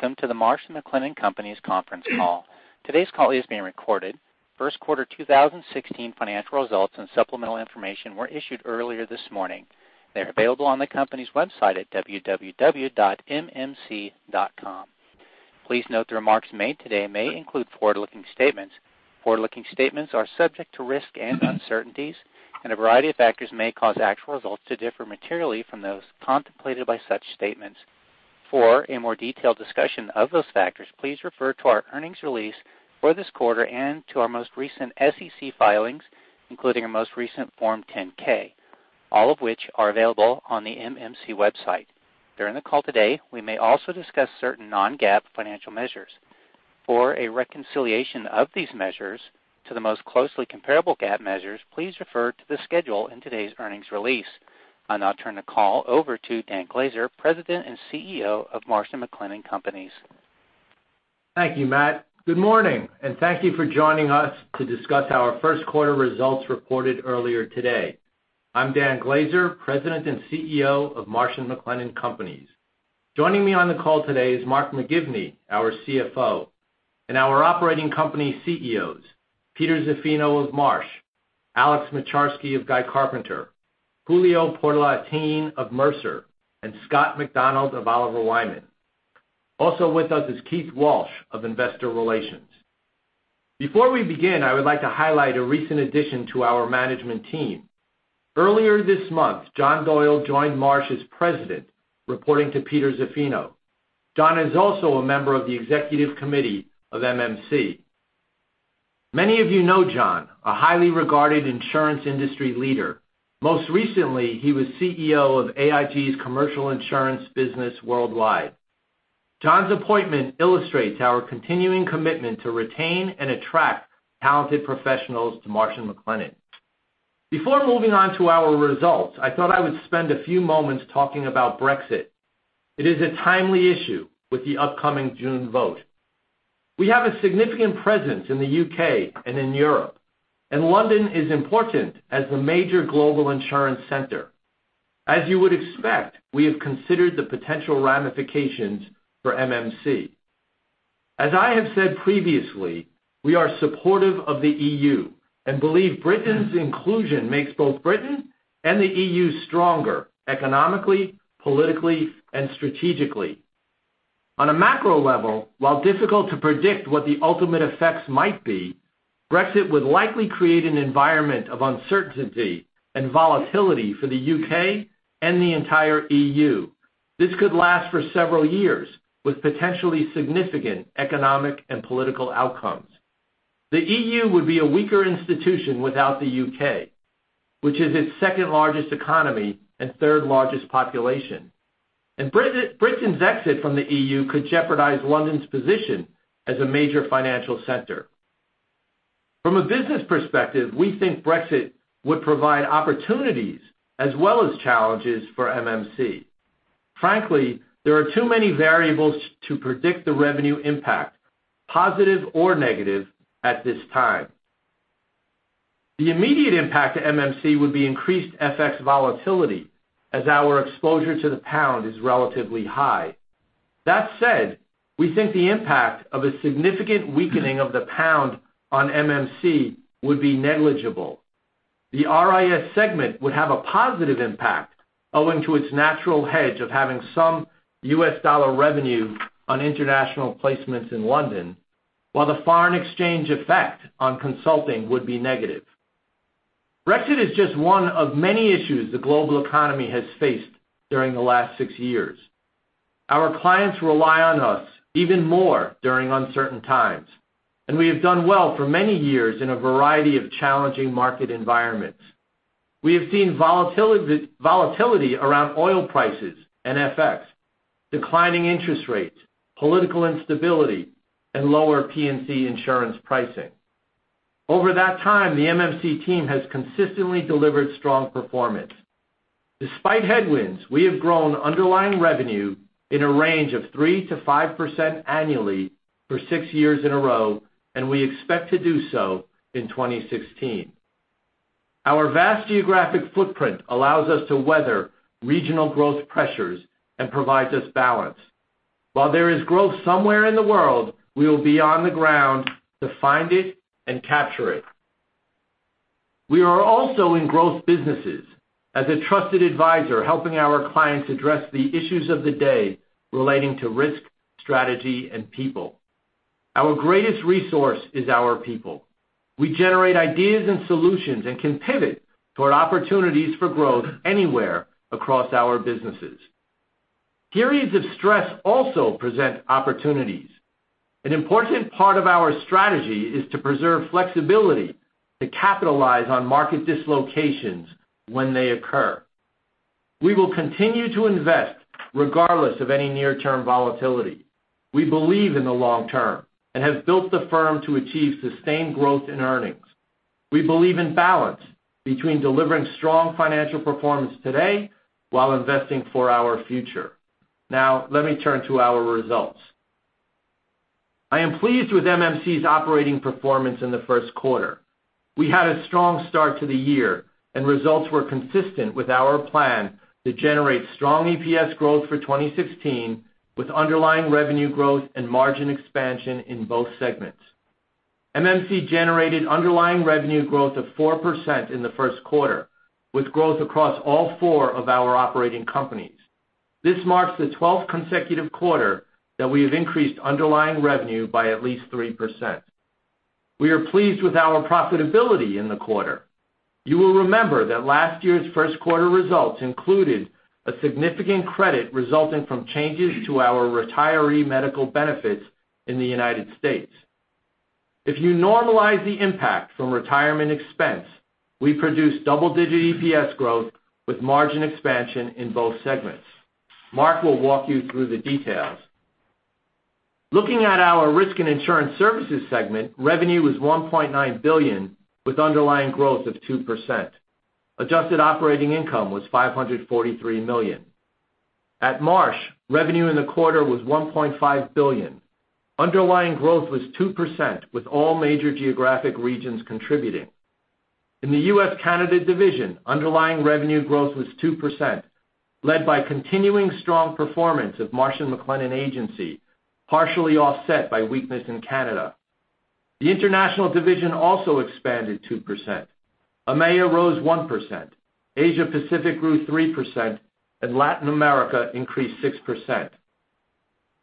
Welcome to the Marsh & McLennan Companies conference call. Today's call is being recorded. First quarter 2016 financial results and supplemental information were issued earlier this morning. They're available on the company's website at www.mmc.com. Please note the remarks made today may include forward-looking statements. Forward-looking statements are subject to risks and uncertainties, and a variety of factors may cause actual results to differ materially from those contemplated by such statements. For a more detailed discussion of those factors, please refer to our earnings release for this quarter and to our most recent SEC filings, including our most recent Form 10-K, all of which are available on the MMC website. During the call today, we may also discuss certain non-GAAP financial measures. For a reconciliation of these measures to the most closely comparable GAAP measures, please refer to the schedule in today's earnings release. I'll now turn the call over to Dan Glaser, President and CEO of Marsh & McLennan Companies. Thank you, Matt. Good morning, and thank you for joining us to discuss our first quarter results reported earlier today. I'm Dan Glaser, President and CEO of Marsh & McLennan Companies. Joining me on the call today is Mark McGivney, our CFO, and our operating company CEOs, Peter Zaffino of Marsh, Alex Moczarski of Guy Carpenter, Julio Portalatin of Mercer, and Scott McDonald of Oliver Wyman. Also with us is Keith Walsh of Investor Relations. Before we begin, I would like to highlight a recent addition to our management team. Earlier this month, John Doyle joined Marsh as President, reporting to Peter Zaffino. John is also a member of the executive committee of MMC. Many of you know John, a highly regarded insurance industry leader. Most recently, he was CEO of AIG's commercial insurance business worldwide. John's appointment illustrates our continuing commitment to retain and attract talented professionals to Marsh & McLennan. Before moving on to our results, I thought I would spend a few moments talking about Brexit. It is a timely issue with the upcoming June vote. We have a significant presence in the U.K. and in Europe, and London is important as a major global insurance center. As you would expect, we have considered the potential ramifications for MMC. As I have said previously, we are supportive of the EU and believe Britain's inclusion makes both Britain and the EU stronger economically, politically, and strategically. On a macro level, while difficult to predict what the ultimate effects might be, Brexit would likely create an environment of uncertainty and volatility for the U.K. and the entire EU. This could last for several years with potentially significant economic and political outcomes. The E.U. would be a weaker institution without the U.K., which is its second-largest economy and third-largest population. Britain's exit from the E.U. could jeopardize London's position as a major financial center. From a business perspective, we think Brexit would provide opportunities as well as challenges for MMC. Frankly, there are too many variables to predict the revenue impact, positive or negative, at this time. The immediate impact to MMC would be increased FX volatility as our exposure to the pound is relatively high. That said, we think the impact of a significant weakening of the pound on MMC would be negligible. The RIS segment would have a positive impact owing to its natural hedge of having some U.S. dollar revenue on international placements in London, while the foreign exchange effect on consulting would be negative. Brexit is just one of many issues the global economy has faced during the last six years. Our clients rely on us even more during uncertain times, we have done well for many years in a variety of challenging market environments. We have seen volatility around oil prices and FX, declining interest rates, political instability, lower P&C insurance pricing. Over that time, the MMC team has consistently delivered strong performance. Despite headwinds, we have grown underlying revenue in a range of 3%-5% annually for six years in a row, we expect to do so in 2016. Our vast geographic footprint allows us to weather regional growth pressures provides us balance. While there is growth somewhere in the world, we will be on the ground to find it capture it. We are also in growth businesses as a trusted advisor, helping our clients address the issues of the day relating to risk, strategy, people. Our greatest resource is our people. We generate ideas solutions can pivot toward opportunities for growth anywhere across our businesses. Periods of stress also present opportunities. An important part of our strategy is to preserve flexibility to capitalize on market dislocations when they occur. We will continue to invest regardless of any near-term volatility. We believe in the long term have built the firm to achieve sustained growth in earnings. We believe in balance between delivering strong financial performance today while investing for our future. Now, let me turn to our results. I am pleased with MMC's operating performance in the first quarter. We had a strong start to the year, results were consistent with our plan to generate strong EPS growth for 2016, with underlying revenue growth margin expansion in both segments. MMC generated underlying revenue growth of 4% in the first quarter, with growth across all four of our operating companies. This marks the 12th consecutive quarter that we have increased underlying revenue by at least 3%. We are pleased with our profitability in the quarter. You will remember that last year's first quarter results included a significant credit resulting from changes to our retiree medical benefits in the U.S. If you normalize the impact from retirement expense, we produced double-digit EPS growth with margin expansion in both segments. Mark will walk you through the details. Looking at our Risk and Insurance Services Segment, revenue was $1.9 billion, with underlying growth of 2%. Adjusted operating income was $543 million. At Marsh, revenue in the quarter was $1.5 billion. Underlying growth was 2%, with all major geographic regions contributing. In the U.S. Canada division, underlying revenue growth was 2%, led by continuing strong performance of Marsh & McLennan Agency, partially offset by weakness in Canada. The international division also expanded 2%. EMEA rose 1%, Asia Pacific grew 3%, and Latin America increased 6%.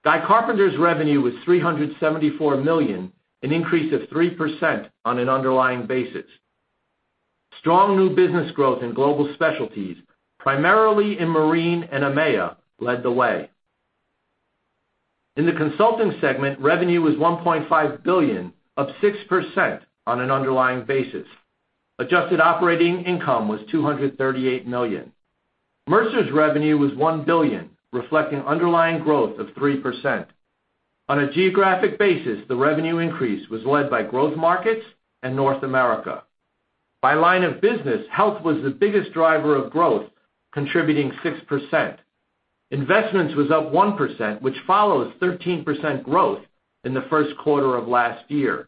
Guy Carpenter's revenue was $374 million, an increase of 3% on an underlying basis. Strong new business growth in global specialties, primarily in marine and EMEA, led the way. In the consulting segment, revenue was $1.5 billion, up 6% on an underlying basis. Adjusted operating income was $238 million. Mercer's revenue was $1 billion, reflecting underlying growth of 3%. On a geographic basis, the revenue increase was led by growth markets and North America. By line of business, health was the biggest driver of growth, contributing 6%. Investments was up 1%, which follows 13% growth in the first quarter of last year.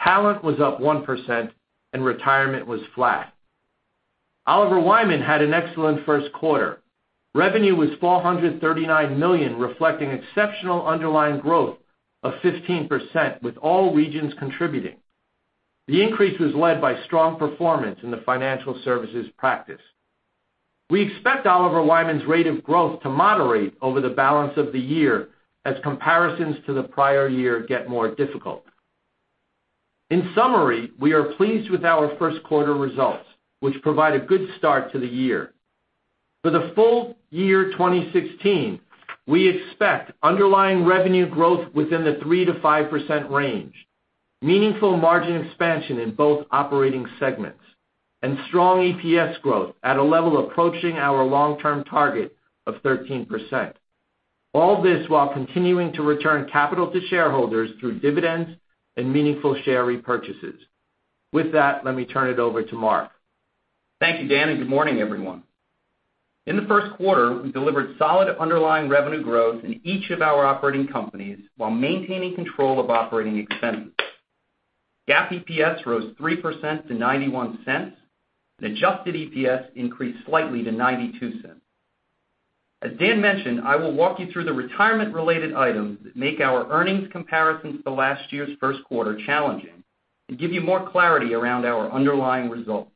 Talent was up 1%, and retirement was flat. Oliver Wyman had an excellent first quarter. Revenue was $439 million, reflecting exceptional underlying growth of 15%, with all regions contributing. The increase was led by strong performance in the financial services practice. We expect Oliver Wyman's rate of growth to moderate over the balance of the year as comparisons to the prior year get more difficult. In summary, we are pleased with our first quarter results, which provide a good start to the year. For the full year 2016, we expect underlying revenue growth within the 3%-5% range, meaningful margin expansion in both operating segments, and strong EPS growth at a level approaching our long-term target of 13%. All this while continuing to return capital to shareholders through dividends and meaningful share repurchases. With that, let me turn it over to Mark. Thank you, Dan. Good morning, everyone. In the first quarter, we delivered solid underlying revenue growth in each of our operating companies while maintaining control of operating expenses. GAAP EPS rose 3% to $0.91. Adjusted EPS increased slightly to $0.92. As Dan mentioned, I will walk you through the retirement-related items that make our earnings comparisons to last year's first quarter challenging and give you more clarity around our underlying results.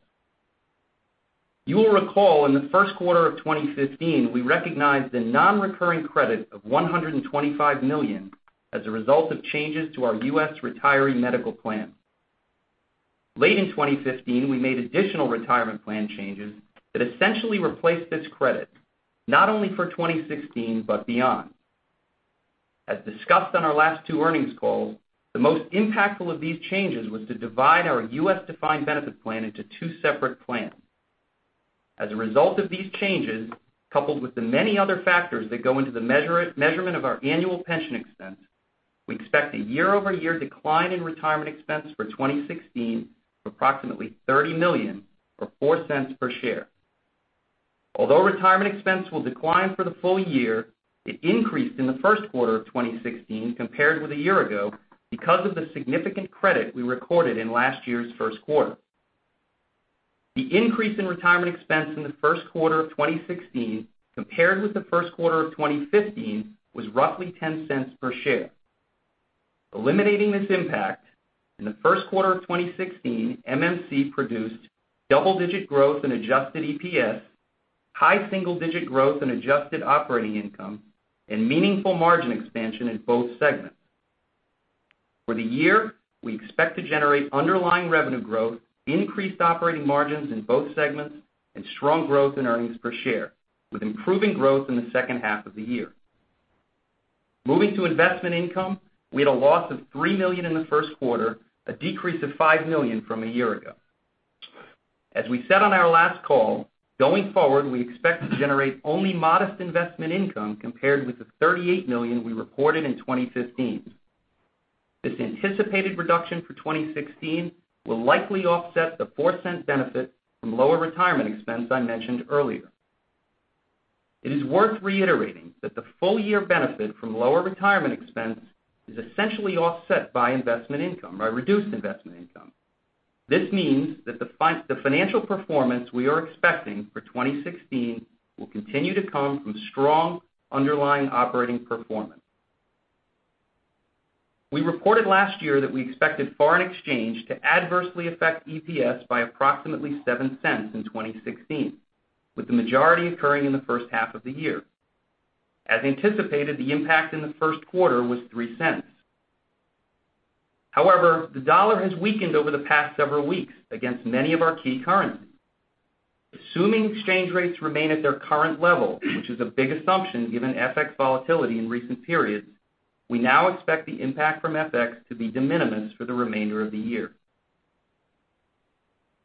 You will recall in the first quarter of 2015, we recognized a non-recurring credit of $125 million as a result of changes to our U.S. retiree medical plan. Late in 2015, we made additional retirement plan changes that essentially replaced this credit, not only for 2016, but beyond. As discussed on our last two earnings calls, the most impactful of these changes was to divide our U.S. defined benefit plan into two separate plans. As a result of these changes, coupled with the many other factors that go into the measurement of our annual pension expense, we expect a year-over-year decline in retirement expense for 2016 of approximately $30 million, or $0.04 per share. Although retirement expense will decline for the full year, it increased in the first quarter of 2016 compared with a year ago because of the significant credit we recorded in last year's first quarter. The increase in retirement expense in the first quarter of 2016 compared with the first quarter of 2015 was roughly $0.10 per share. Eliminating this impact, in the first quarter of 2016, MMC produced double-digit growth in adjusted EPS, high single-digit growth in adjusted operating income, and meaningful margin expansion in both segments. For the year, we expect to generate underlying revenue growth, increased operating margins in both segments, and strong growth in earnings per share, with improving growth in the second half of the year. Moving to investment income, we had a loss of $3 million in the first quarter, a decrease of $5 million from a year ago. As we said on our last call, going forward, we expect to generate only modest investment income compared with the $38 million we reported in 2015. This anticipated reduction for 2016 will likely offset the $0.04 benefit from lower retirement expense I mentioned earlier. It is worth reiterating that the full year benefit from lower retirement expense is essentially offset by investment income, by reduced investment income. This means that the financial performance we are expecting for 2016 will continue to come from strong underlying operating performance. We reported last year that we expected foreign exchange to adversely affect EPS by approximately $0.07 in 2016, with the majority occurring in the first half of the year. As anticipated, the impact in the first quarter was $0.03. However, the dollar has weakened over the past several weeks against many of our key currencies. Assuming exchange rates remain at their current level, which is a big assumption given FX volatility in recent periods, we now expect the impact from FX to be de minimis for the remainder of the year.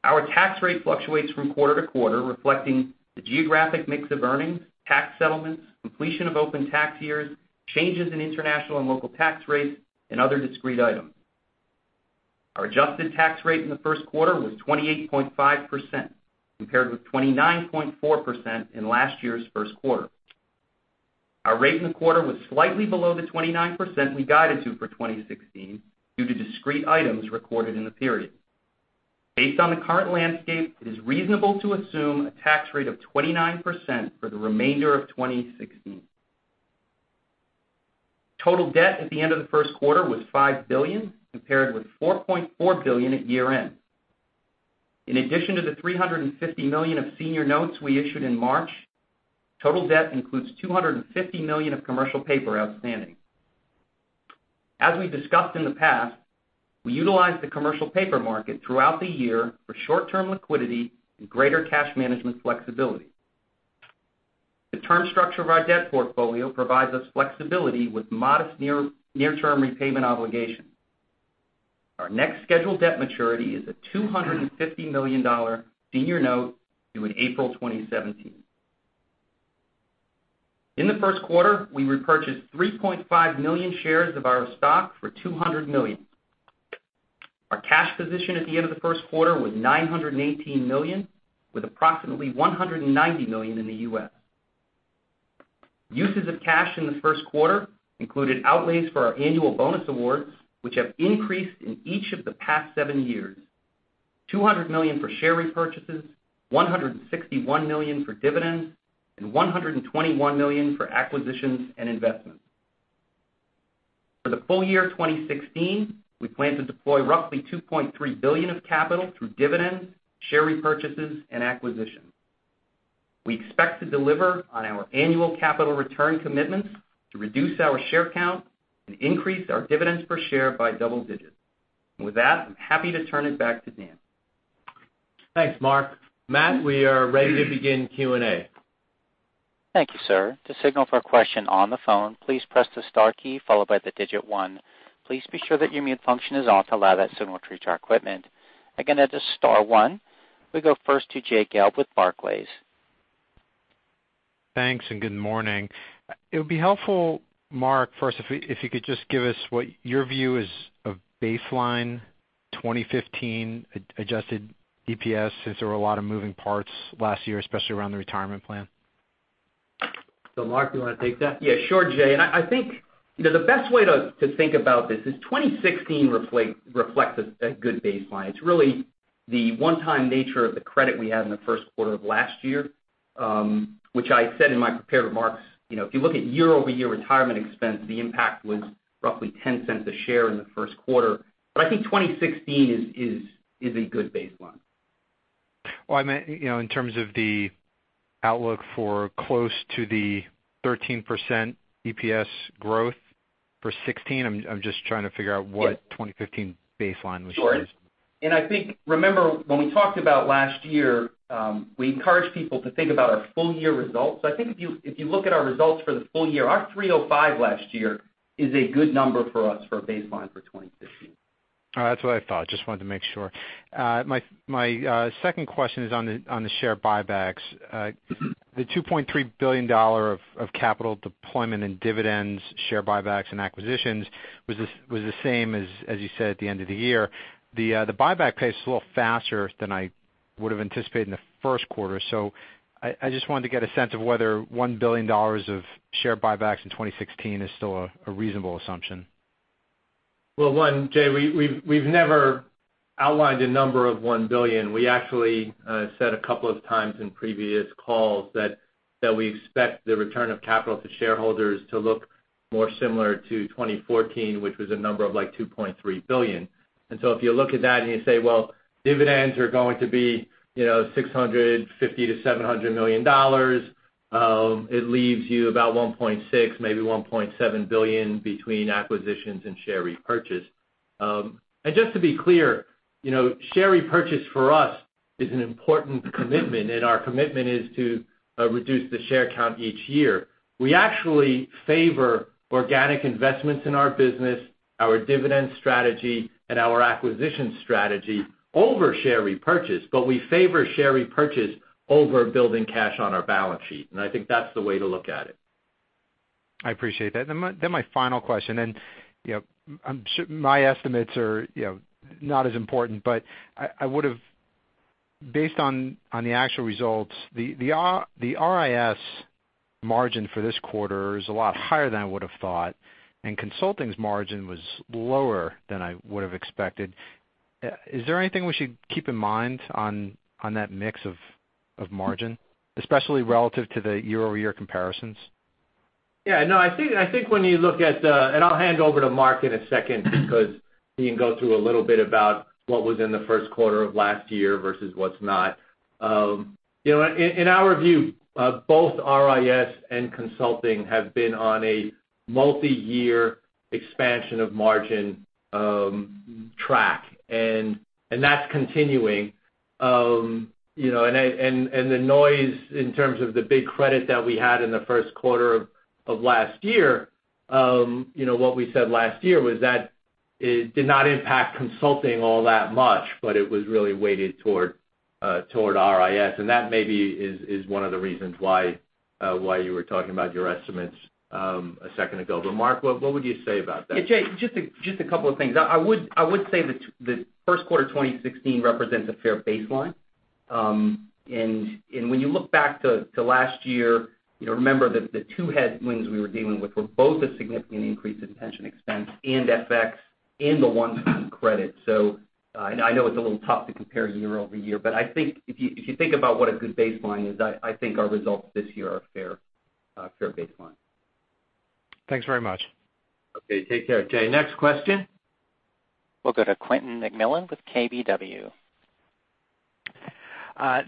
Our tax rate fluctuates from quarter to quarter, reflecting the geographic mix of earnings, tax settlements, completion of open tax years, changes in international and local tax rates, and other discrete items. Our adjusted tax rate in the first quarter was 28.5%, compared with 29.4% in last year's first quarter. Our rate in the quarter was slightly below the 29% we guided to for 2016 due to discrete items recorded in the period. Based on the current landscape, it is reasonable to assume a tax rate of 29% for the remainder of 2016. Total debt at the end of the first quarter was $5 billion, compared with $4.4 billion at year-end. In addition to the $350 million of senior notes we issued in March, total debt includes $250 million of commercial paper outstanding. As we discussed in the past, we utilize the commercial paper market throughout the year for short-term liquidity and greater cash management flexibility. The term structure of our debt portfolio provides us flexibility with modest near-term repayment obligations. Our next scheduled debt maturity is a $250 million senior note due in April 2017. In the first quarter, we repurchased 3.5 million shares of our stock for $200 million. Our cash position at the end of the first quarter was $918 million, with approximately $190 million in the U.S. Uses of cash in the first quarter included outlays for our annual bonus awards, which have increased in each of the past seven years, $200 million for share repurchases, $161 million for dividends, and $121 million for acquisitions and investments. For the full year 2016, we plan to deploy roughly $2.3 billion of capital through dividends, share repurchases, and acquisitions. We expect to deliver on our annual capital return commitments to reduce our share count and increase our dividends per share by double digits. With that, I'm happy to turn it back to Dan. Thanks, Mark. Matt, we are ready to begin Q&A. Thank you, sir. To signal for a question on the phone, please press the star key followed by the digit 1. Please be sure that your mute function is off allow that signal to reach our equipment. Again, that is star 1. We go first to Jay Gelb with Barclays. Thanks and good morning. It would be helpful, Mark, first, if you could just give us what your view is of baseline 2015 adjusted EPS, since there were a lot of moving parts last year, especially around the retirement plan. Mark, do you want to take that? Yeah, sure, Jay. I think the best way to think about this is 2016 reflects a good baseline. It's really the one-time nature of the credit we had in the first quarter of last year, which I said in my prepared remarks. If you look at year-over-year retirement expense, the impact was roughly $0.10 a share in the first quarter. I think 2016 is a good baseline. Well, I meant in terms of the outlook for close to the 13% EPS growth for 2016. I'm just trying to figure out what. Yeah 2015 baseline was. Sure. I think, remember when we talked about last year, we encouraged people to think about our full-year results. I think if you look at our results for the full year, our 305 last year is a good number for us for a baseline for 2015. All right. That's what I thought. Just wanted to make sure. My second question is on the share buybacks. The $2.3 billion of capital deployment in dividends, share buybacks, and acquisitions was the same as you said at the end of the year. The buyback pace is a little faster than I would've anticipated in the first quarter. I just wanted to get a sense of whether $1 billion of share buybacks in 2016 is still a reasonable assumption. Well, one, Jay, we've never outlined a number of $1 billion. We actually said a couple of times in previous calls that we expect the return of capital to shareholders to look more similar to 2014, which was a number of like $2.3 billion. If you look at that and you say, "Well, dividends are going to be $650 million-$700 million," it leaves you about $1.6 billion, maybe $1.7 billion between acquisitions and share repurchase. Just to be clear, share repurchase for us is an important commitment, and our commitment is to reduce the share count each year. We actually favor organic investments in our business, our dividend strategy, and our acquisition strategy over share repurchase, but we favor share repurchase over building cash on our balance sheet. I think that's the way to look at it. I appreciate that. My final question, and my estimates are not as important, but based on the actual results, the RIS margin for this quarter is a lot higher than I would have thought, and consulting's margin was lower than I would have expected. Is there anything we should keep in mind on that mix of margin, especially relative to the year-over-year comparisons? Yeah. No, I think when you look at, I will hand over to Mark in a second because he can go through a little bit about what was in the first quarter of last year versus what's not. In our view, both RIS and consulting have been on a multi-year expansion of margin track, and that's continuing. The noise in terms of the big credit that we had in the first quarter of last year, what we said last year was that it did not impact consulting all that much, but it was really weighted toward RIS. That maybe is one of the reasons why you were talking about your estimates a second ago. Mark, what would you say about that? Yeah, Jay, just a couple of things. I would say that first quarter 2016 represents a fair baseline. When you look back to last year, remember that the two headwinds we were dealing with were both a significant increase in pension expense and FX and the one-time credit. I know it's a little tough to compare year-over-year, but I think if you think about what a good baseline is, I think our results this year are a fair baseline. Thanks very much. Okay. Take care, Jay. Next question. We'll go to Quentin McMillan with KBW.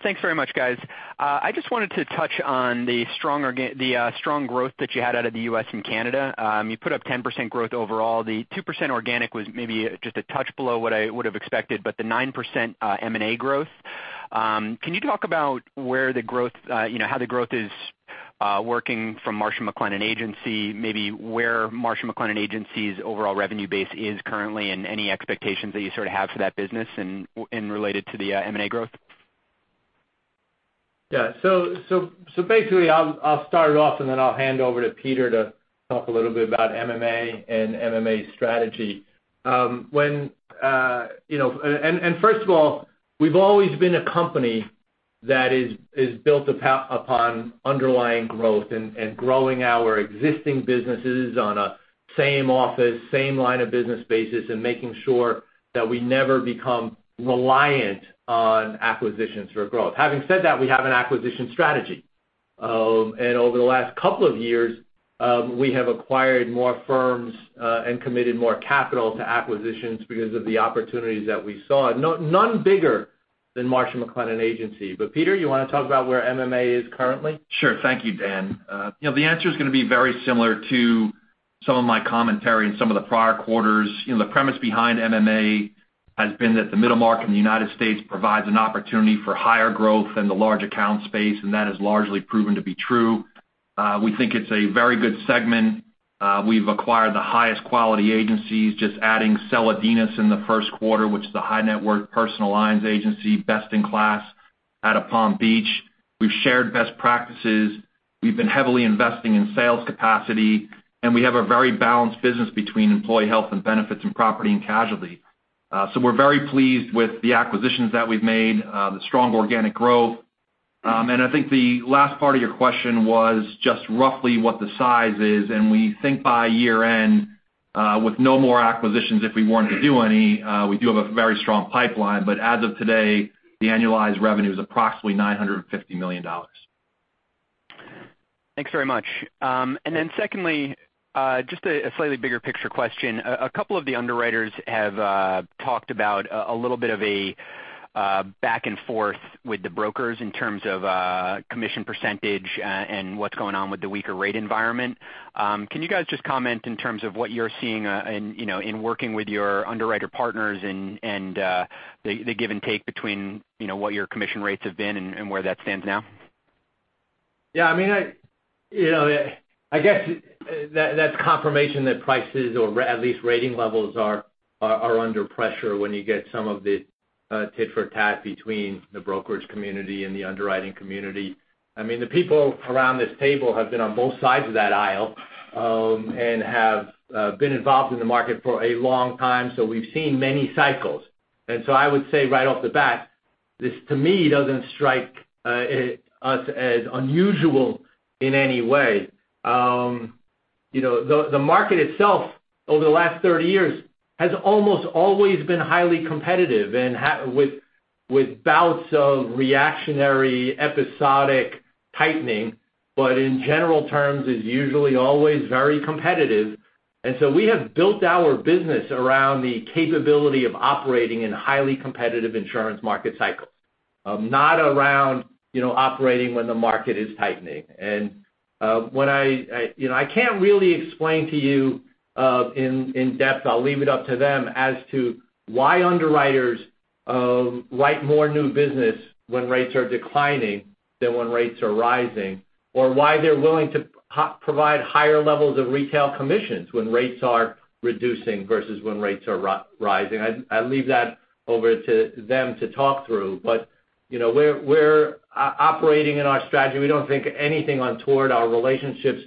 Thanks very much, guys. I just wanted to touch on the strong growth that you had out of the U.S. and Canada. You put up 10% growth overall. The 2% organic was maybe just a touch below what I would have expected, but the 9% M&A growth. Can you talk about how the growth is working from Marsh & McLennan Agency, maybe where Marsh & McLennan Agency's overall revenue base is currently, and any expectations that you sort of have for that business and related to the M&A growth? Yeah. Basically, I'll start it off, then I'll hand over to Peter to talk a little bit about MMA and MMA's strategy. First of all, we've always been a company that is built upon underlying growth and growing our existing businesses on a same office, same line of business basis, and making sure that we never become reliant on acquisitions for growth. Having said that, we have an acquisition strategy. Over the last couple of years, we have acquired more firms, and committed more capital to acquisitions because of the opportunities that we saw. None bigger than Marsh & McLennan Agency. Peter, you want to talk about where MMA is currently? Sure. Thank you, Dan. The answer's going to be very similar to some of my commentary in some of the prior quarters. The premise behind MMA has been that the middle market in the U.S. provides an opportunity for higher growth than the large account space, and that has largely proven to be true. We think it's a very good segment. We've acquired the highest quality agencies, just adding Celedinas in the first quarter, which is the high net worth personal lines agency, best in class out of Palm Beach. We've shared best practices. We've been heavily investing in sales capacity, and we have a very balanced business between employee health and benefits and property and casualty. We're very pleased with the acquisitions that we've made, the strong organic growth. I think the last part of your question was just roughly what the size is, we think by year-end, with no more acquisitions if we weren't to do any, we do have a very strong pipeline. As of today, the annualized revenue is approximately $950 million. Thanks very much. Secondly, just a slightly bigger picture question. A couple of the underwriters have talked about a little bit of a back and forth with the brokers in terms of commission %, what's going on with the weaker rate environment. Can you guys just comment in terms of what you're seeing in working with your underwriter partners and the give and take between what your commission rates have been and where that stands now? Yeah. I guess that's confirmation that prices, or at least rating levels, are under pressure when you get some of the tit for tat between the brokerage community and the underwriting community. I mean, the people around this table have been on both sides of that aisle, have been involved in the market for a long time, we've seen many cycles. I would say right off the bat, this to me doesn't strike us as unusual in any way. The market itself over the last 30 years has almost always been highly competitive with bouts of reactionary episodic tightening, in general terms is usually always very competitive. We have built our business around the capability of operating in highly competitive insurance market cycles. Not around operating when the market is tightening. I can't really explain to you in depth, I'll leave it up to them as to why underwriters write more new business when rates are declining than when rates are rising, why they're willing to provide higher levels of retail commissions when rates are reducing versus when rates are rising. I leave that over to them to talk through. We're operating in our strategy. We don't think anything untoward our relationships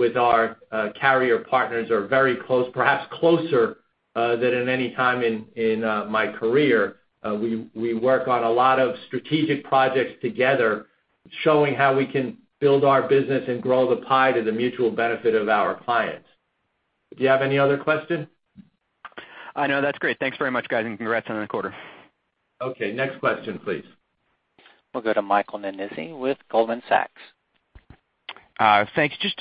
with our carrier partners are very close, perhaps closer than at any time in my career. We work on a lot of strategic projects together, showing how we can build our business and grow the pie to the mutual benefit of our clients. Do you have any other questions? No, that's great. Thanks very much, guys, and congrats on the quarter. Okay, next question, please. We'll go to Michael Nannizzi with Goldman Sachs. Thanks. Just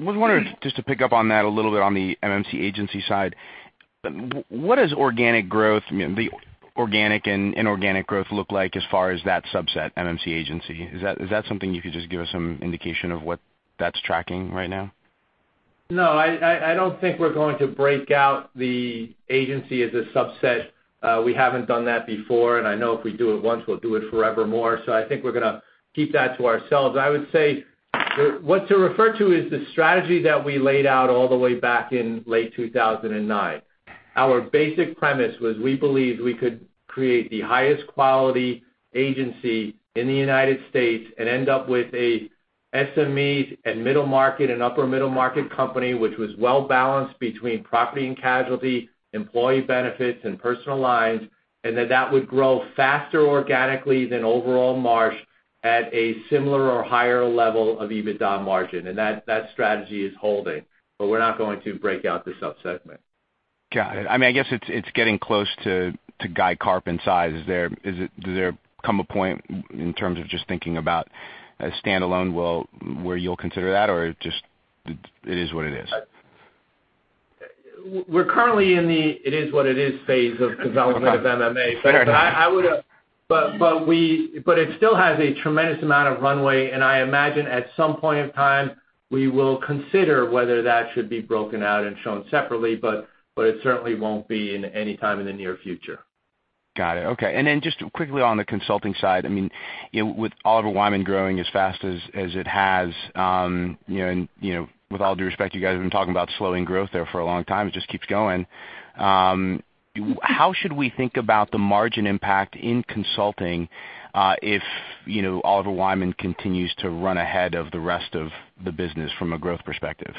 wondering, just to pick up on that a little bit on the MMC Agency side. What does organic and inorganic growth look like as far as that subset, MMC Agency? Is that something you could just give us some indication of what that's tracking right now? No, I don't think we're going to break out the agency as a subset. We haven't done that before, and I know if we do it once, we'll do it forevermore. I think we're going to keep that to ourselves. I would say what to refer to is the strategy that we laid out all the way back in late 2009. Our basic premise was we believed we could create the highest quality agency in the United States and end up with a SMEs and middle market and upper middle market company, which was well balanced between property and casualty, employee benefits, and personal lines, and that would grow faster organically than overall Marsh at a similar or higher level of EBITDA margin. That strategy is holding, but we're not going to break out the subsegment. Got it. I guess it's getting close to Guy Carp in size. Does there come a point in terms of just thinking about a standalone where you'll consider that, or it is what it is? We're currently in the it is what it is phase of development of MMA. Fair enough. It still has a tremendous amount of runway, and I imagine at some point in time, we will consider whether that should be broken out and shown separately, but it certainly won't be in any time in the near future. Got it. Okay. Just quickly on the consulting side, with Oliver Wyman growing as fast as it has, and with all due respect, you guys have been talking about slowing growth there for a long time. It just keeps going. How should we think about the margin impact in consulting if Oliver Wyman continues to run ahead of the rest of the business from a growth perspective?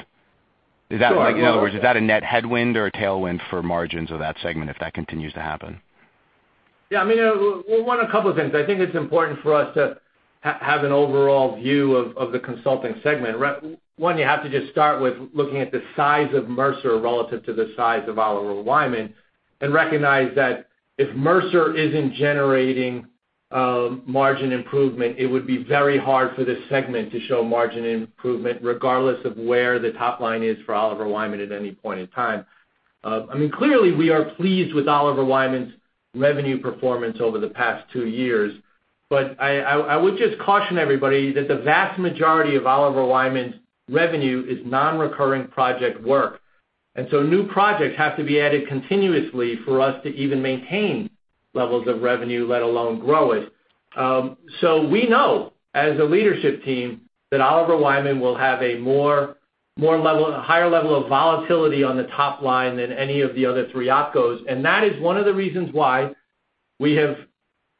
In other words, is that a net headwind or a tailwind for margins of that segment if that continues to happen? Yeah. A couple of things. I think it's important for us to have an overall view of the consulting segment. One, you have to just start with looking at the size of Mercer relative to the size of Oliver Wyman and recognize that if Mercer isn't generating margin improvement, it would be very hard for this segment to show margin improvement, regardless of where the top line is for Oliver Wyman at any point in time. Clearly, we are pleased with Oliver Wyman's revenue performance over the past two years, but I would just caution everybody that the vast majority of Oliver Wyman's revenue is non-recurring project work. New projects have to be added continuously for us to even maintain levels of revenue, let alone grow it. We know as a leadership team that Oliver Wyman will have a higher level of volatility on the top line than any of the other three opcos, and that is one of the reasons why we have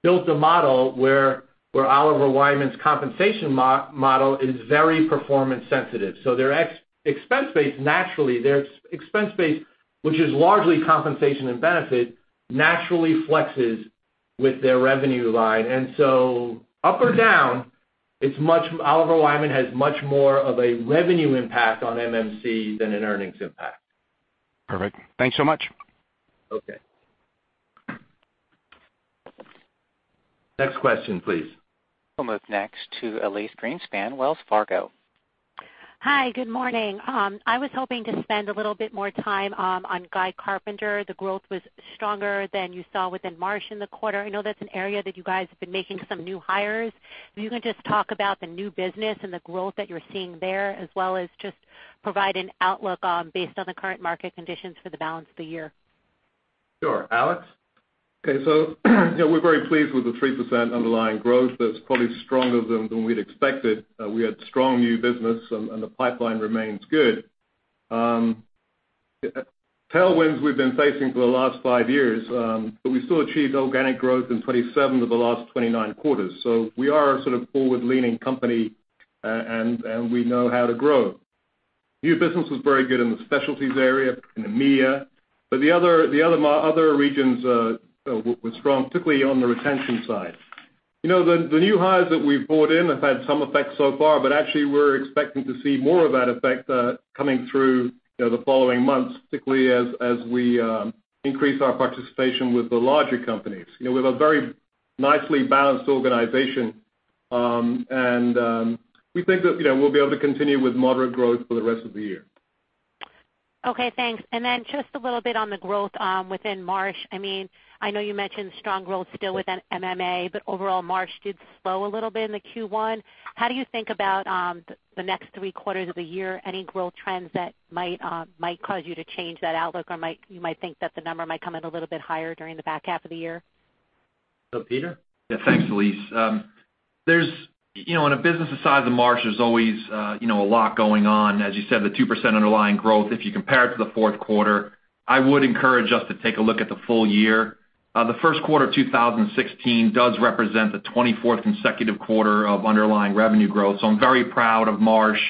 built a model where Oliver Wyman's compensation model is very performance sensitive. Their expense base, which is largely compensation and benefit, naturally flexes with their revenue line. Up or down, Oliver Wyman has much more of a revenue impact on MMC than an earnings impact. Perfect. Thanks so much. Okay. Next question, please. We'll move next to Elyse Greenspan, Wells Fargo. Hi, good morning. I was hoping to spend a little bit more time on Guy Carpenter. The growth was stronger than you saw within Marsh in the quarter. I know that's an area that you guys have been making some new hires. If you can just talk about the new business and the growth that you're seeing there, as well as just provide an outlook based on the current market conditions for the balance of the year. Sure. Alex? Okay, we're very pleased with the 3% underlying growth. That's probably stronger than we'd expected. We had strong new business, and the pipeline remains good. Tailwinds we've been facing for the last five years, but we still achieved organic growth in 27 of the last 29 quarters. We are a sort of forward-leaning company, and we know how to grow. New business was very good in the specialties area, in EMEA. The other regions were strong, particularly on the retention side. The new hires that we've brought in have had some effect so far, but actually, we're expecting to see more of that effect coming through the following months, particularly as we increase our participation with the larger companies. We have a very nicely balanced organization, and we think that we'll be able to continue with moderate growth for the rest of the year. Okay, thanks. Just a little bit on the growth within Marsh. I know you mentioned strong growth still within MMA, but overall Marsh did slow a little bit in the Q1. How do you think about the next three quarters of the year, any growth trends that might cause you to change that outlook, or you might think that the number might come in a little bit higher during the back half of the year? Peter? Yeah. Thanks, Elyse. In a business the size of Marsh, there's always a lot going on. As you said, the 2% underlying growth, if you compare it to the fourth quarter, I would encourage us to take a look at the full year The first quarter of 2016 does represent the 24th consecutive quarter of underlying revenue growth. I'm very proud of Marsh,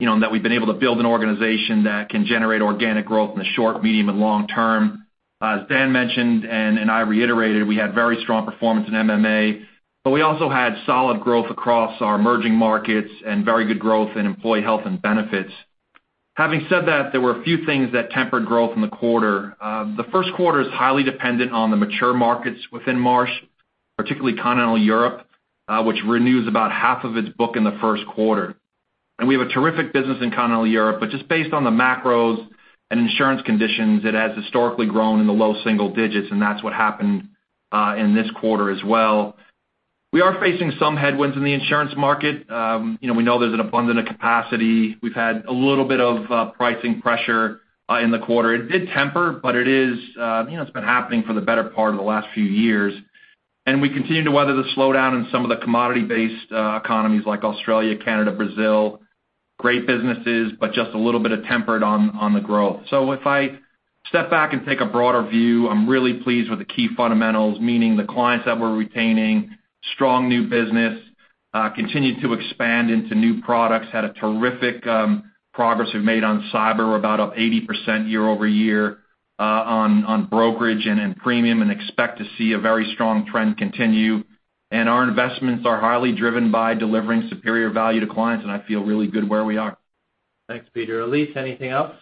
and that we've been able to build an organization that can generate organic growth in the short, medium, and long term. As Dan mentioned, and I reiterated, we had very strong performance in MMA, we also had solid growth across our emerging markets and very good growth in employee health and benefits. Having said that, there were a few things that tempered growth in the quarter. The first quarter is highly dependent on the mature markets within Marsh, particularly continental Europe, which renews about half of its book in the first quarter. We have a terrific business in continental Europe, but just based on the macros and insurance conditions, it has historically grown in the low single digits, and that's what happened in this quarter as well. We are facing some headwinds in the insurance market. We know there's an abundance of capacity. We've had a little bit of pricing pressure in the quarter. It did temper, but it's been happening for the better part of the last few years. We continue to weather the slowdown in some of the commodity-based economies like Australia, Canada, Brazil. Great businesses, but just a little bit of temper on the growth. If I step back and take a broader view, I'm really pleased with the key fundamentals, meaning the clients that we're retaining, strong new business, continued to expand into new products, had a terrific progress we've made on cyber. We're about up 80% year-over-year on brokerage and in premium and expect to see a very strong trend continue. Our investments are highly driven by delivering superior value to clients, and I feel really good where we are. Thanks, Peter. Elyse, anything else?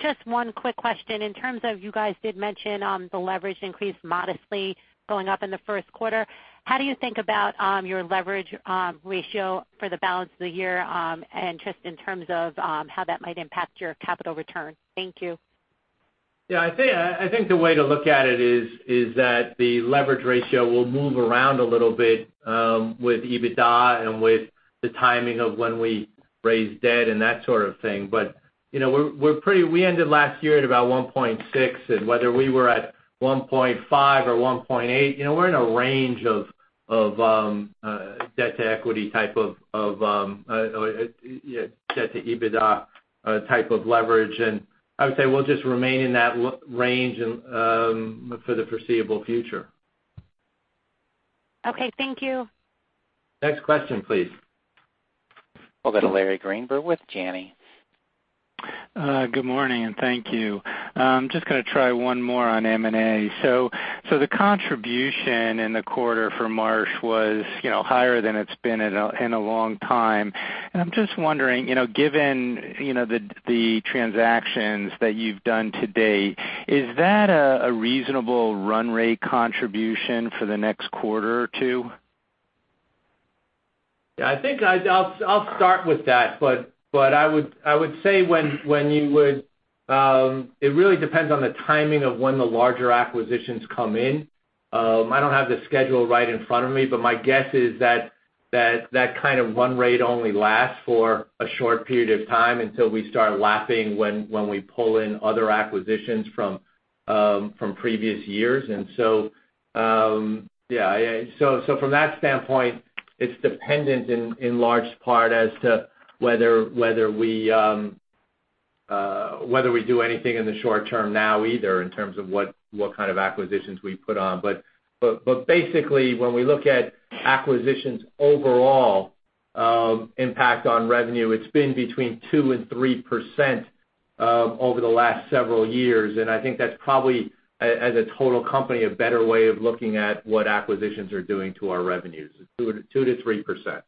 Just one quick question. In terms of, you guys did mention the leverage increased modestly going up in the first quarter. How do you think about your leverage ratio for the balance of the year, and just in terms of how that might impact your capital return? Thank you. Yeah, I think the way to look at it is that the leverage ratio will move around a little bit with EBITDA and with the timing of when we raise debt and that sort of thing. We ended last year at about 1.6, whether we were at 1.5 or 1.8, we're in a range of debt to equity type of, debt to EBITDA type of leverage. I would say we'll just remain in that range for the foreseeable future. Okay, thank you. Next question, please. We'll go to Larry Greenberg with Janney. Good morning, and thank you. I'm just going to try one more on M&A. The contribution in the quarter for Marsh was higher than it's been in a long time. I'm just wondering, given the transactions that you've done to date, is that a reasonable run rate contribution for the next quarter or two? Yeah, I think I'll start with that, but I would say it really depends on the timing of when the larger acquisitions come in. I don't have the schedule right in front of me, but my guess is that kind of run rate only lasts for a short period of time until we start lapping when we pull in other acquisitions from previous years. From that standpoint, it's dependent in large part as to whether we do anything in the short term now either in terms of what kind of acquisitions we put on. Basically, when we look at acquisitions' overall impact on revenue, it's been between 2%-3% over the last several years. I think that's probably, as a total company, a better way of looking at what acquisitions are doing to our revenues, 2%-3%.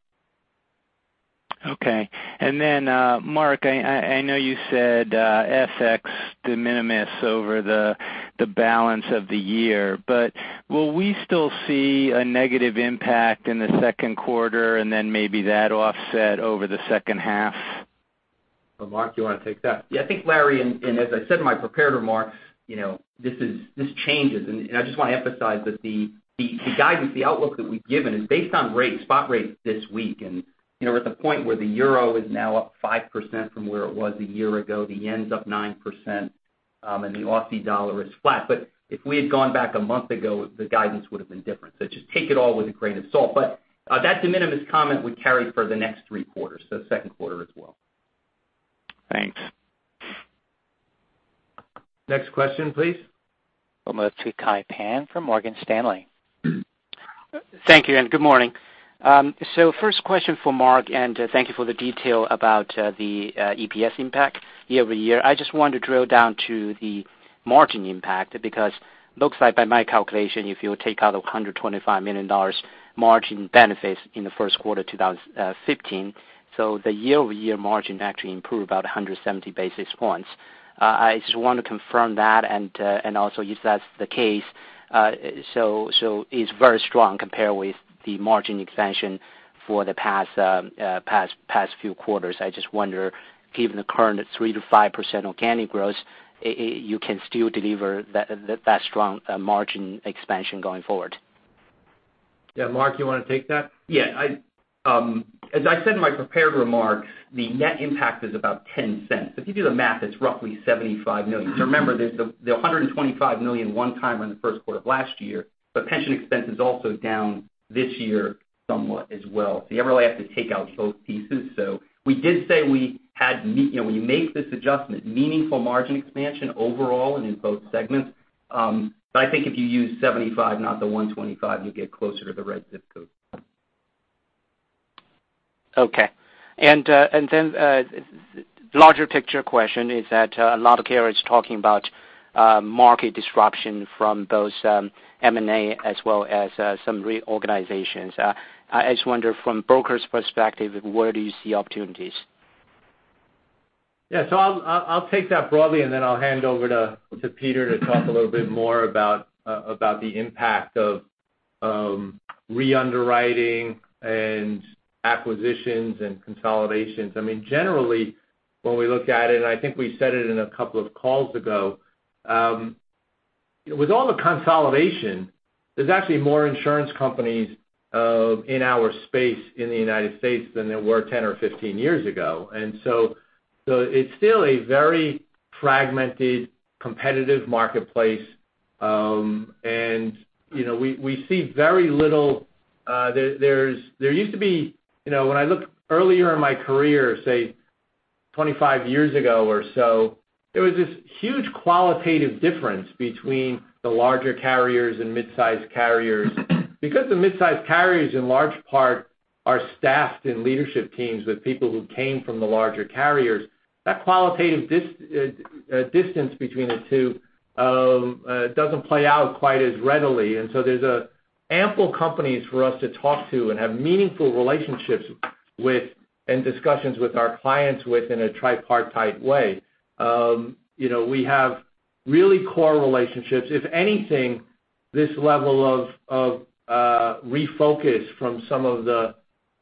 Okay. Then, Mark, I know you said FX de minimis over the balance of the year, but will we still see a negative impact in the second quarter and then maybe that offset over the second half? Mark, you want to take that? Yeah, I think, Larry, as I said in my prepared remarks, this changes. I just want to emphasize that the guidance, the outlook that we've given is based on rates, spot rates this week. We're at the point where the euro is now up 5% from where it was a year ago. The yen's up 9%, and the Aussie dollar is flat. If we had gone back a month ago, the guidance would have been different. Just take it all with a grain of salt. That de minimis comment would carry for the next three quarters, so second quarter as well. Thanks. Next question, please. We'll move to Kai Pan from Morgan Stanley. Thank you, good morning. First question for Mark, thank you for the detail about the EPS impact year-over-year. I just want to drill down to the margin impact. Looks like by my calculation, if you take out $125 million margin benefits in the first quarter 2015, the year-over-year margin actually improved about 170 basis points. I just want to confirm that, if that's the case, it's very strong compared with the margin expansion for the past few quarters. I just wonder, given the current 3%-5% organic growth, you can still deliver that strong margin expansion going forward. Yeah, Mark, you want to take that? Yeah. As I said in my prepared remarks, the net impact is about $0.10. If you do the math, it's roughly $75 million. Remember, there's the $125 million one-timer in the first quarter of last year, but pension expense is also down this year somewhat as well. You really have to take out both pieces. We did say when you make this adjustment, meaningful margin expansion overall and in both segments. I think if you use 75, not the 125, you get closer to the right zip code. Okay. Larger picture question is that a lot of carriers talking about market disruption from both M&A as well as some reorganizations. I just wonder from broker's perspective, where do you see opportunities? Yeah. I'll take that broadly, and then I'll hand over to Peter to talk a little bit more about the impact of re-underwriting and acquisitions and consolidations. Generally, when we look at it, and I think we said it in a couple of calls ago, with all the consolidation, there's actually more insurance companies in our space in the U.S. than there were 10 or 15 years ago. It's still a very fragmented, competitive marketplace. We see very little. There used to be, when I look earlier in my career, say, 25 years ago or so, there was this huge qualitative difference between the larger carriers and midsize carriers. Because the midsize carriers, in large part, are staffed in leadership teams with people who came from the larger carriers, that qualitative distance between the two doesn't play out quite as readily. There's ample companies for us to talk to and have meaningful relationships with and discussions with our clients with in a tripartite way. We have really core relationships. If anything, this level of refocus from some of the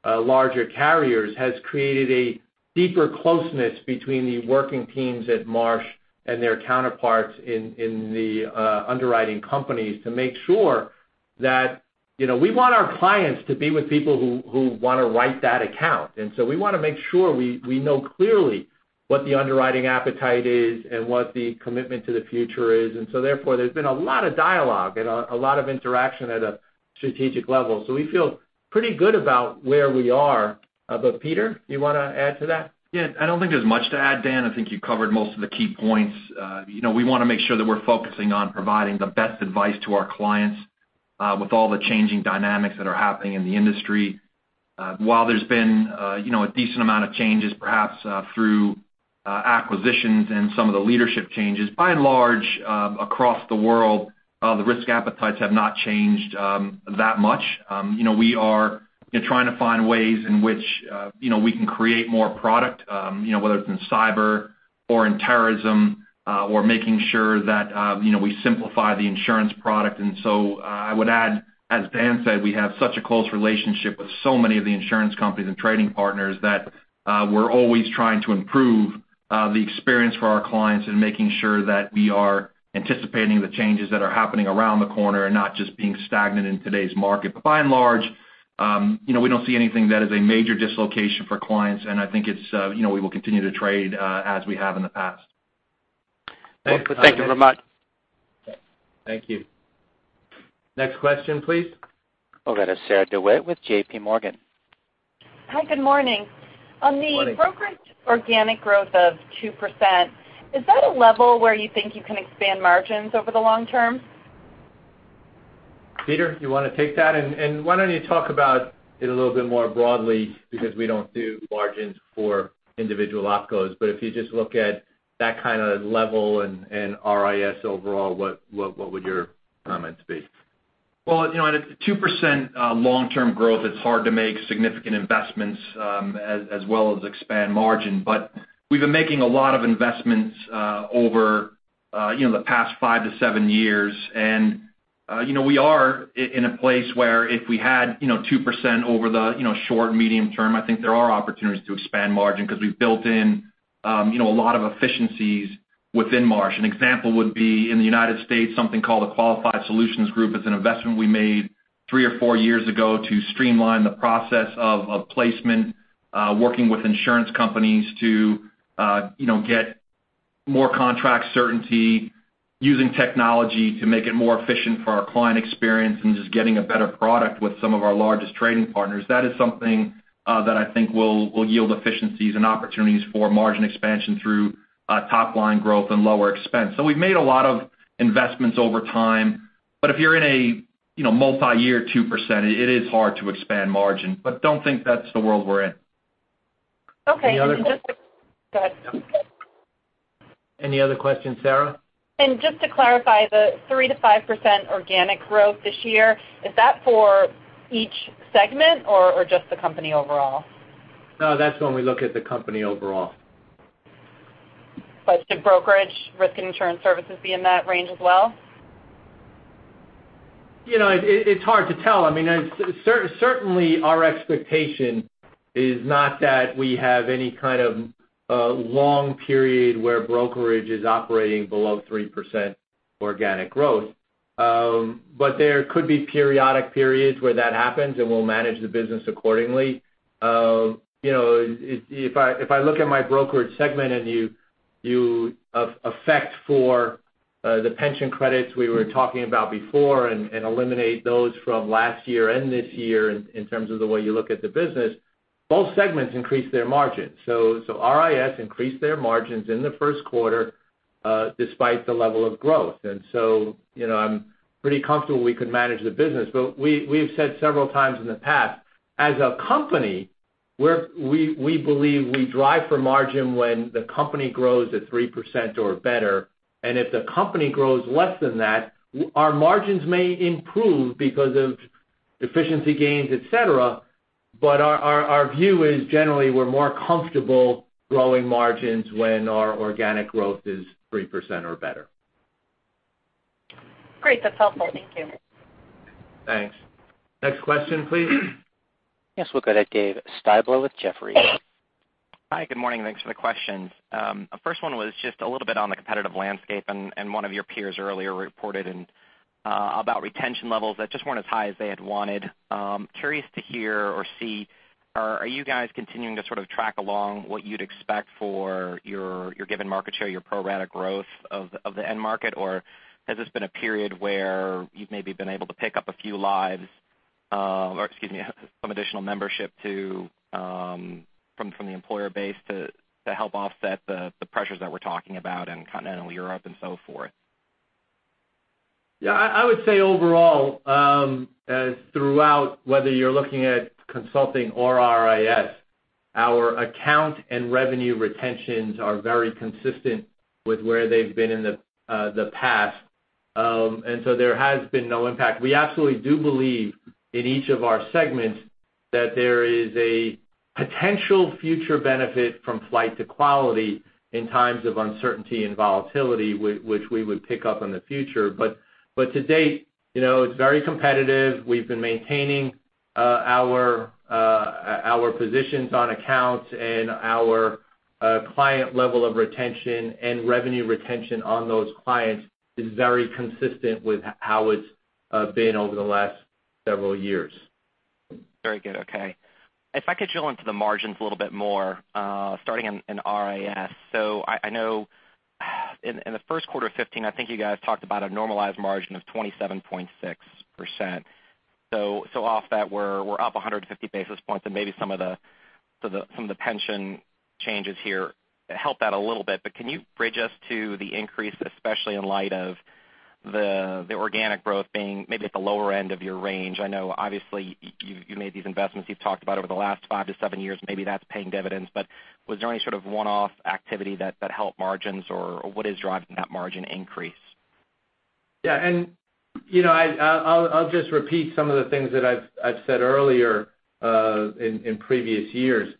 larger carriers has created a deeper closeness between the working teams at Marsh and their counterparts in the underwriting companies to make sure that We want our clients to be with people who want to write that account. We want to make sure we know clearly what the underwriting appetite is and what the commitment to the future is. Therefore, there's been a lot of dialogue and a lot of interaction at a strategic level. We feel pretty good about where we are. Peter, you want to add to that? Yeah. I don't think there's much to add, Dan. I think you covered most of the key points. We want to make sure that we're focusing on providing the best advice to our clients, with all the changing dynamics that are happening in the industry. While there's been a decent amount of changes, perhaps through acquisitions and some of the leadership changes, by and large, across the world, the risk appetites have not changed that much. We are trying to find ways in which we can create more product, whether it's in cyber or in terrorism, or making sure that we simplify the insurance product. I would add, as Dan said, we have such a close relationship with so many of the insurance companies and trading partners that we're always trying to improve the experience for our clients and making sure that we are anticipating the changes that are happening around the corner and not just being stagnant in today's market. By and large, we don't see anything that is a major dislocation for clients, and I think we will continue to trade as we have in the past. Thanks. Thank you very much. Thank you. Next question, please. We'll go to Sarah DeWitt with J.P. Morgan. Hi, good morning. Morning. On the brokerage organic growth of 2%, is that a level where you think you can expand margins over the long term? Peter, you want to take that? Why don't you talk about it a little bit more broadly because we don't do margins for individual opcos. If you just look at that kind of level and RIS overall, what would your comments be? Well, at a 2% long-term growth, it's hard to make significant investments as well as expand margin. We've been making a lot of investments over the past 5-7 years. We are in a place where if we had 2% over the short and medium term, I think there are opportunities to expand margin because we've built in a lot of efficiencies within Marsh. An example would be in the U.S., something called a Qualified Solutions Group. It's an investment we made three or four years ago to streamline the process of placement, working with insurance companies to get more contract certainty, using technology to make it more efficient for our client experience, and just getting a better product with some of our largest trading partners. That is something that I think will yield efficiencies and opportunities for margin expansion through top-line growth and lower expense. We've made a lot of investments over time. If you're in a multi-year 2%, it is hard to expand margin. Don't think that's the world we're in. Okay. And just to- Any other- Go ahead. Any other questions, Sarah? Just to clarify, the 3%-5% organic growth this year, is that for each segment or just the company overall? No, that's when we look at the company overall. Should Brokerage Risk and Insurance Services be in that range as well? It's hard to tell. Certainly, our expectation is not that we have any kind of long period where brokerage is operating below 3% organic growth. There could be periodic periods where that happens, and we'll manage the business accordingly. If I look at my Brokerage segment and you account for the pension credits we were talking about before and eliminate those from last year and this year in terms of the way you look at the business, both segments increase their margins. RIS increased their margins in the first quarter despite the level of growth. I'm pretty comfortable we could manage the business. We've said several times in the past, as a company, we believe we drive for margin when the company grows at 3% or better. If the company grows less than that, our margins may improve because of efficiency gains, et cetera. Our view is generally we're more comfortable growing margins when our organic growth is 3% or better. Great. That's helpful. Thank you. Thanks. Next question, please. We'll go to Dave Styblo with Jefferies. Hi, good morning. Thanks for the questions. First one was just a little bit on the competitive landscape, and one of your peers earlier reported about retention levels that just weren't as high as they had wanted. Curious to hear or see, are you guys continuing to sort of track along what you'd expect for your given market share, your pro-rata growth of the end market? Or has this been a period where you've maybe been able to pick up a few lives, or excuse me, some additional membership from the employer base to help offset the pressures that we're talking about in Continental Europe and so forth? Yeah, I would say overall, throughout, whether you're looking at consulting or RIS, our account and revenue retentions are very consistent with where they've been in the past. There has been no impact. We absolutely do believe in each of our segments that there is a potential future benefit from flight to quality in times of uncertainty and volatility, which we would pick up in the future. To date, it's very competitive. We've been maintaining our positions on accounts and our client level of retention, and revenue retention on those clients is very consistent with how it's been over the last several years. Very good. Okay. If I could drill into the margins a little bit more, starting in RIS. I know in the first quarter of 2015, I think you guys talked about a normalized margin of 27.6%. Off that, we're up 150 basis points and maybe some of the pension changes here help that a little bit. Can you bridge us to the increase, especially in light of the organic growth being maybe at the lower end of your range? I know obviously you made these investments you've talked about over the last five to seven years, maybe that's paying dividends. Was there any sort of one-off activity that helped margins or what is driving that margin increase? Yeah, I'll just repeat some of the things that I've said earlier, in previous years.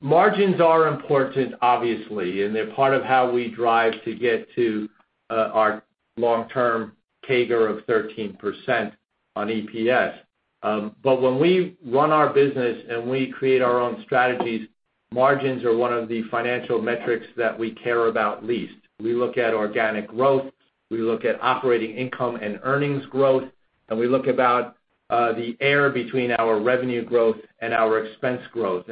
Margins are important, obviously, and they're part of how we drive to get to our long-term CAGR of 13% on EPS. When we run our business and we create our own strategies, margins are one of the financial metrics that we care about least. We look at organic growth, we look at operating income and earnings growth, and we look about the air between our revenue growth and our expense growth.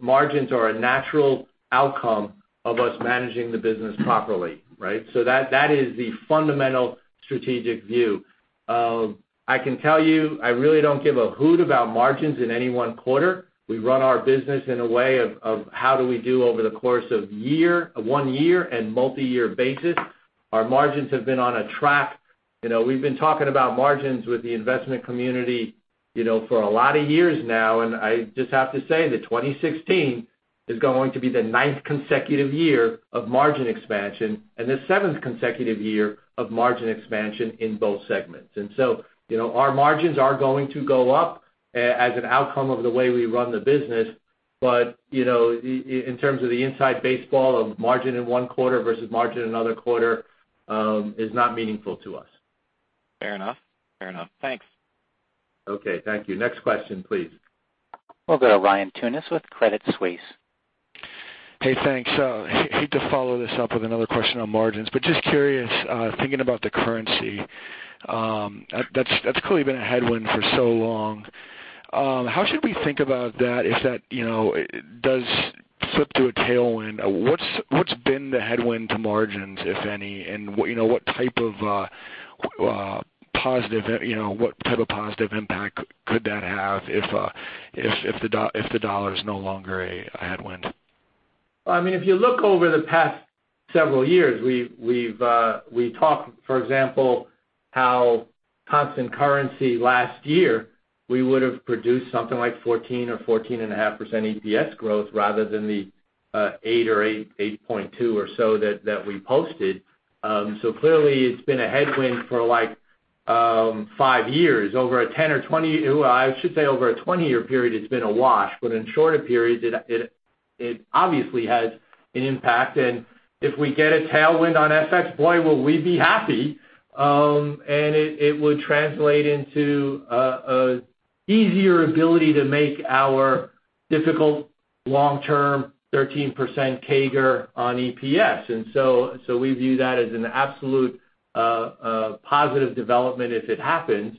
Margins are a natural outcome of us managing the business properly, right? That is the fundamental strategic view. I can tell you, I really don't give a hoot about margins in any one quarter. We run our business in a way of how do we do over the course of one year and multi-year basis. Our margins have been on a track. We've been talking about margins with the investment community for a lot of years now. I just have to say that 2016 is going to be the ninth consecutive year of margin expansion and the seventh consecutive year of margin expansion in both segments. Our margins are going to go up as an outcome of the way we run the business, in terms of the inside baseball of margin in one quarter versus margin another quarter, is not meaningful to us. Fair enough. Thanks. Okay. Thank you. Next question, please. We'll go to Ryan Tunis with Credit Suisse. Hey, thanks. Hate to follow this up with another question on margins, but just curious, thinking about the currency, that's clearly been a headwind for so long. How should we think about that if that does flip to a tailwind? What's been the headwind to margins, if any, and what type of positive impact could that have if the dollar is no longer a headwind? If you look over the past several years, we talked, for example, how constant currency last year, we would have produced something like 14% or 14.5% EPS growth, rather than the 8% or 8.2% or so that we posted. Clearly it's been a headwind for five years. Over a 10 or 20, I should say over a 20-year period, it's been a wash. In shorter periods, it obviously has an impact, and if we get a tailwind on FX, boy will we be happy. It would translate into a easier ability to make our difficult long-term 13% CAGR on EPS. We view that as an absolute positive development if it happens.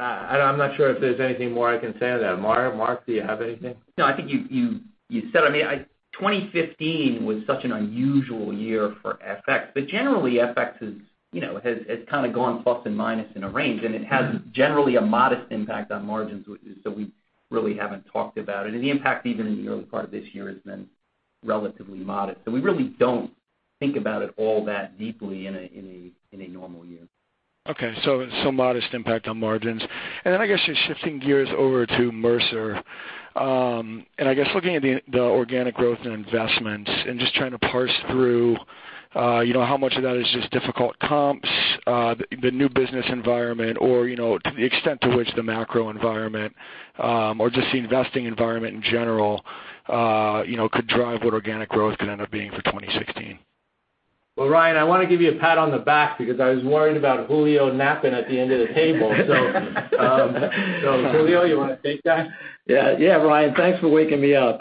I'm not sure if there's anything more I can say on that. Mark, do you have anything? No, I think you said it. 2015 was such an unusual year for FX. Generally, FX has kind of gone plus and minus in a range, and it has generally a modest impact on margins, so we really haven't talked about it. The impact even in the early part of this year has been relatively modest. We really don't Think about it all that deeply in a normal year. Okay, modest impact on margins. I guess just shifting gears over to Mercer, looking at the organic growth and investments, just trying to parse through how much of that is just difficult comps, the new business environment or to the extent to which the macro environment, or just the investing environment in general, could drive what organic growth could end up being for 2016. Well, Ryan, I want to give you a pat on the back because I was worried about Julio napping at the end of the table. Julio, you want to take that? Yeah. Ryan, thanks for waking me up.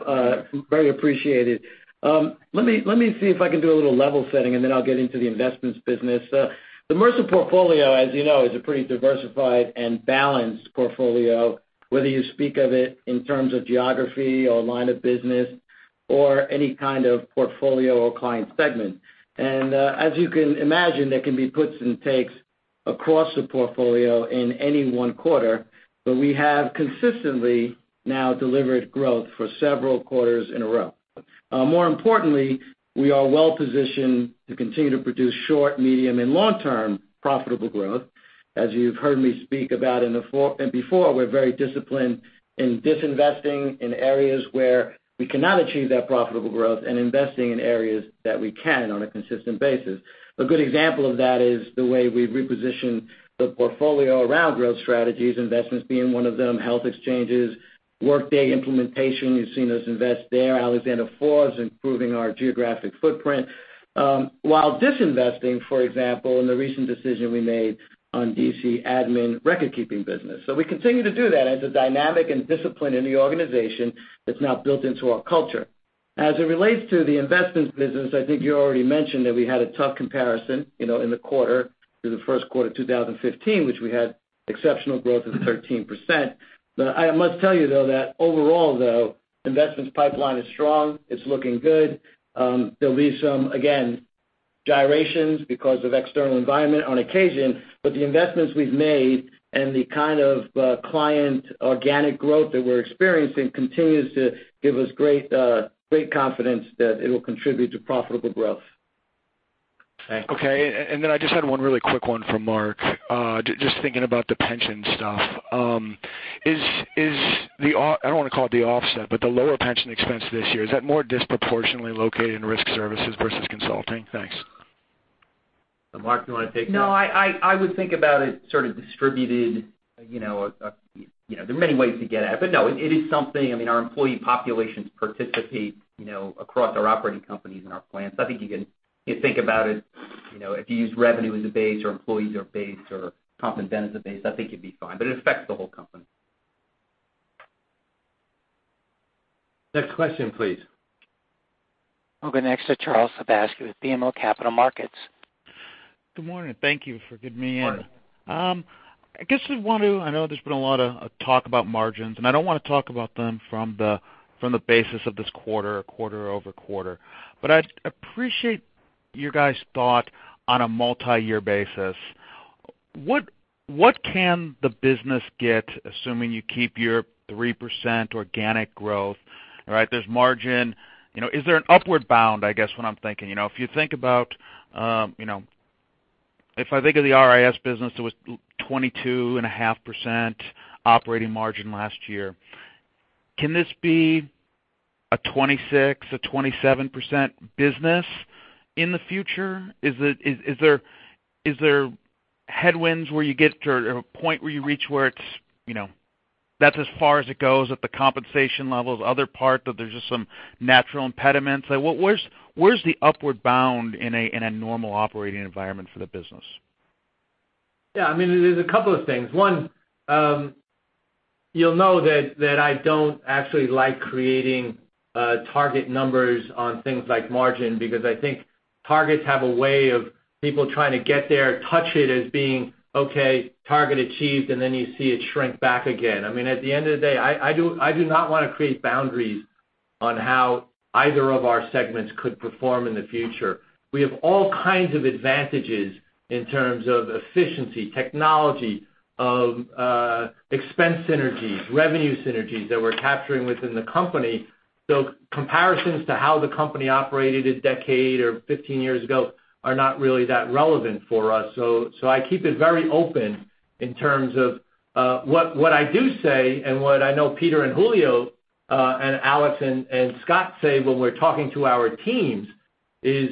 Very appreciated. Let me see if I can do a little level setting. I'll get into the investments business. The Mercer portfolio, as you know, is a pretty diversified and balanced portfolio, whether you speak of it in terms of geography or line of business or any kind of portfolio or client segment. As you can imagine, there can be puts and takes across the portfolio in any one quarter. We have consistently now delivered growth for several quarters in a row. More importantly, we are well-positioned to continue to produce short, medium, and long-term profitable growth. As you've heard me speak about before, we're very disciplined in disinvesting in areas where we cannot achieve that profitable growth and investing in areas that we can on a consistent basis. A good example of that is the way we've repositioned the portfolio around growth strategies, investments being one of them, health exchanges, Workday implementation. You've seen us invest there. Alexander Forbes, improving our geographic footprint. While disinvesting, for example, in the recent decision we made on DC admin record-keeping business. We continue to do that as a dynamic and discipline in the organization that's now built into our culture. As it relates to the investments business, I think you already mentioned that we had a tough comparison in the quarter, through the first quarter 2015, which we had exceptional growth of 13%. I must tell you, though, that overall, though, investments pipeline is strong. It's looking good. There'll be some, again, gyrations because of external environment on occasion, but the investments we've made and the kind of client organic growth that we're experiencing continues to give us great confidence that it'll contribute to profitable growth. Thanks. Okay, I just had one really quick one for Mark, just thinking about the pension stuff. I don't want to call it the offset, but the lower pension expense this year, is that more disproportionately located in risk services versus consulting? Thanks. Mark, do you want to take that? No, I would think about it sort of distributed. There are many ways to get at it. No, it is something, I mean, our employee populations participate across our operating companies and our plans. I think you can think about it if you use revenue as a base or employees as a base or comp and ben as a base, I think you'd be fine. It affects the whole company. Next question, please. We'll go next to Charles Sebaski with BMO Capital Markets. Good morning. Thank you for getting me in. Morning. I guess I know there's been a lot of talk about margins. I don't want to talk about them from the basis of this quarter-over-quarter. I'd appreciate your guys' thought on a multi-year basis. What can the business get, assuming you keep your 3% organic growth, right? There's margin. Is there an upward bound, I guess, what I'm thinking. If I think of the RIS business, it was 22.5% operating margin last year. Can this be a 26%, a 27% business in the future? Is there headwinds where you get to a point where you reach where that's as far as it goes at the compensation levels, other part, that there's just some natural impediments? Where's the upward bound in a normal operating environment for the business? Yeah, there's a couple of things. One, you'll know that I don't actually like creating target numbers on things like margin because I think targets have a way of people trying to get there and touch it as being, okay, target achieved, and then you see it shrink back again. I mean, at the end of the day, I do not want to create boundaries on how either of our segments could perform in the future. We have all kinds of advantages in terms of efficiency, technology, of expense synergies, revenue synergies that we're capturing within the company. Comparisons to how the company operated a decade or 15 years ago are not really that relevant for us. I keep it very open. What I do say, and what I know Peter and Julio, and Alex and Scott say when we're talking to our teams is,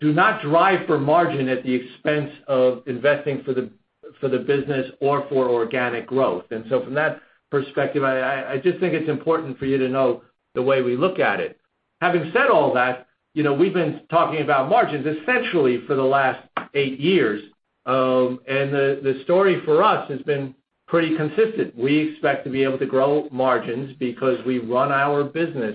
do not drive for margin at the expense of investing for the business or for organic growth. From that perspective, I just think it's important for you to know the way we look at it. Having said all that, we've been talking about margins essentially for the last eight years. The story for us has been pretty consistent. We expect to be able to grow margins because we run our business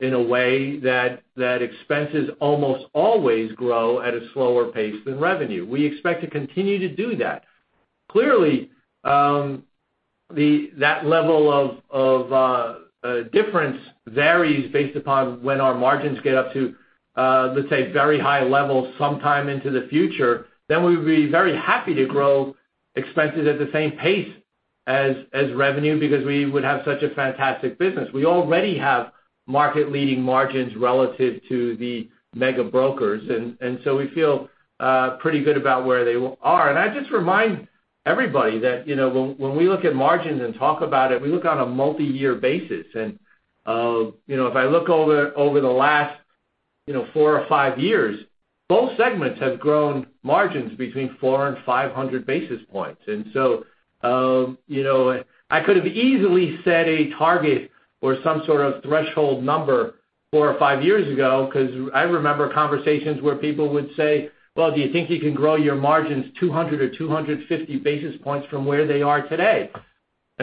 in a way that expenses almost always grow at a slower pace than revenue. We expect to continue to do that. Clearly, that level of difference varies based upon when our margins get up to, let's say, very high levels sometime into the future. We would be very happy to grow expenses at the same pace as revenue because we would have such a fantastic business. We already have market-leading margins relative to the mega brokers. We feel pretty good about where they are. I just remind everybody that when we look at margins and talk about it, we look on a multi-year basis. If I look over the last four or five years, both segments have grown margins between 400 and 500 basis points. I could have easily set a target or some sort of threshold number four or five years ago, because I remember conversations where people would say, "Well, do you think you can grow your margins 200 or 250 basis points from where they are today?"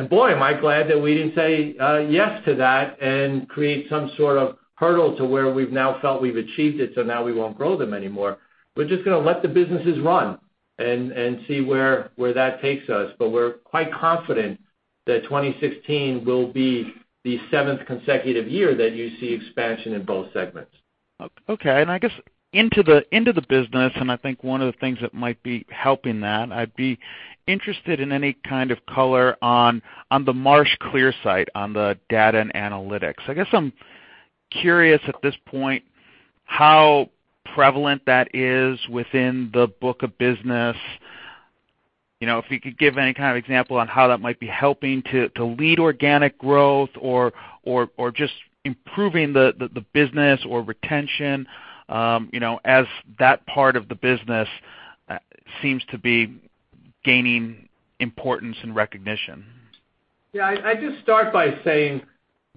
Boy, am I glad that we didn't say yes to that and create some sort of hurdle to where we've now felt we've achieved it. Now we won't grow them anymore. We're just going to let the businesses run and see where that takes us. We're quite confident that 2016 will be the seventh consecutive year that you see expansion in both segments. I guess into the business, I think one of the things that might be helping that, I'd be interested in any kind of color on the Marsh ClearSight on the data and analytics. I'm curious at this point how prevalent that is within the book of business. If you could give any kind of example on how that might be helping to lead organic growth or just improving the business or retention, as that part of the business seems to be gaining importance and recognition. Yeah. I just start by saying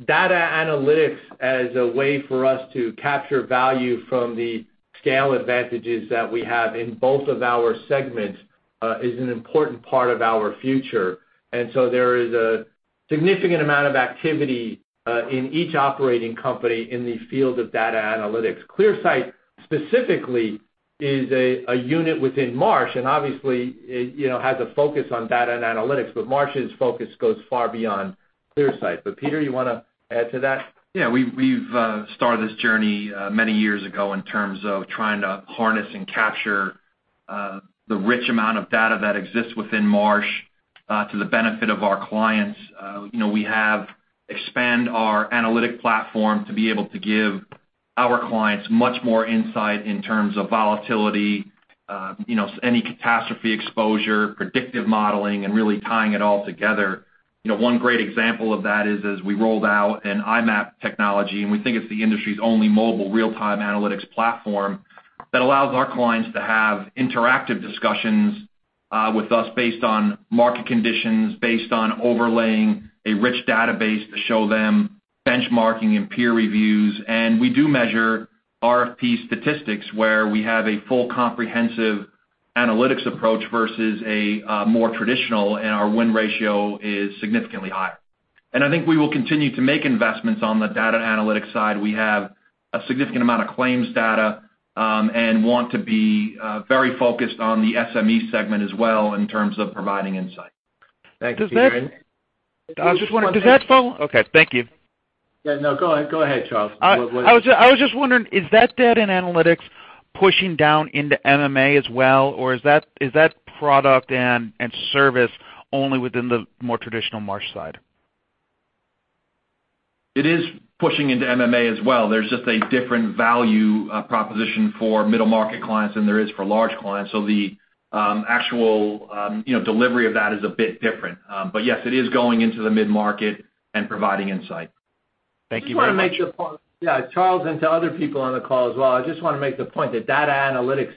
data analytics as a way for us to capture value from the scale advantages that we have in both of our segments, is an important part of our future. There is a significant amount of activity in each operating company in the field of data analytics. ClearSight specifically is a unit within Marsh, obviously, has a focus on data and analytics, but Marsh's focus goes far beyond ClearSight. Peter, you want to add to that? Yeah. We've started this journey many years ago in terms of trying to harness and capture the rich amount of data that exists within Marsh, to the benefit of our clients. We have expand our analytic platform to be able to give our clients much more insight in terms of volatility, any catastrophe exposure, predictive modeling, and really tying it all together. One great example of that is we rolled out an iMAP technology, we think it's the industry's only mobile real-time analytics platform that allows our clients to have interactive discussions with us based on market conditions, based on overlaying a rich database to show them benchmarking and peer reviews. We do measure RFP statistics where we have a full comprehensive analytics approach versus a more traditional, our win ratio is significantly higher. I think we will continue to make investments on the data analytics side. We have a significant amount of claims data, want to be very focused on the SME segment as well in terms of providing insight. Thanks, Peter. Does that follow? Okay. Thank you. Yeah, no. Go ahead, Charles. I was just wondering, is that data and analytics pushing down into MMA as well, or is that product and service only within the more traditional Marsh side? It is pushing into MMA as well. There's just a different value proposition for middle-market clients than there is for large clients. The actual delivery of that is a bit different. Yes, it is going into the mid-market and providing insight. Thank you very much. Charles, and to other people on the call as well. I just want to make the point that data analytics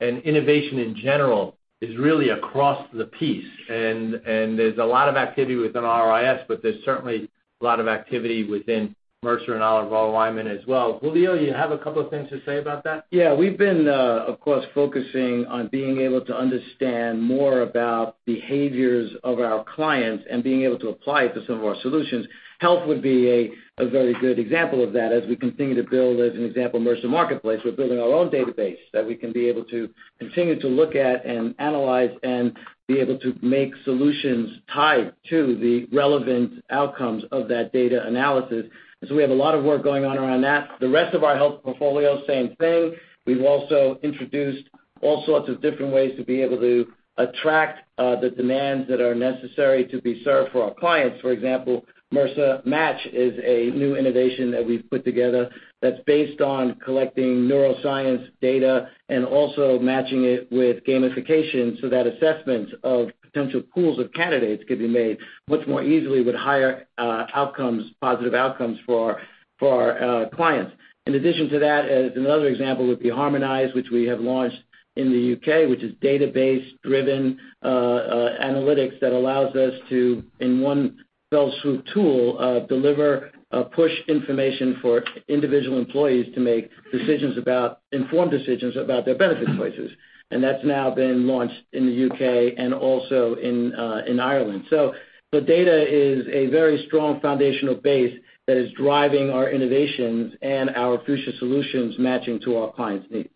and innovation in general is really across the piece. There's a lot of activity within RIS, but there's certainly a lot of activity within Mercer and Oliver Wyman as well. Julio, you have a couple of things to say about that? We've been, of course, focusing on being able to understand more about behaviors of our clients and being able to apply it to some of our solutions. Health would be a very good example of that as we continue to build, as an example, Mercer Marketplace. We're building our own database that we can be able to continue to look at and analyze and be able to make solutions tied to the relevant outcomes of that data analysis. We have a lot of work going on around that. The rest of our health portfolio, same thing. We've also introduced all sorts of different ways to be able to attract the demands that are necessary to be served for our clients. For example, Mercer Match is a new innovation that we've put together that's based on collecting neuroscience data and also matching it with gamification so that assessments of potential pools of candidates could be made much more easily with higher positive outcomes for our clients. In addition to that, as another example, would be Harmonize, which we have launched in the U.K., which is database-driven analytics that allows us to, in one fell swoop tool, deliver push information for individual employees to make informed decisions about their benefit choices. That's now been launched in the U.K. and also in Ireland. The data is a very strong foundational base that is driving our innovations and our future solutions matching to our clients' needs.